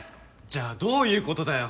じゃあどういうことだよ